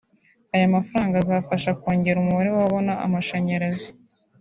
Aya mafaranga azafasha kongera umubare w’ababona amashanyarazi